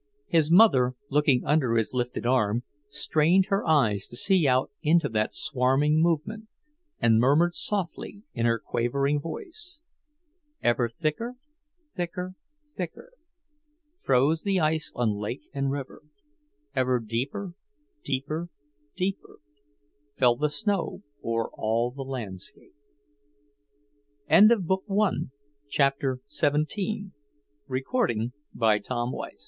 His mother, looking under his lifted arm, strained her eyes to see out into that swarming movement, and murmured softly in her quavering voice: "Ever thicker, thicker, thicker, Froze the ice on lake and river; Ever deeper, deeper, deeper, Fell the snow o'er all the landscape." XVIII Claude's bedroom faced the east. The next morning, when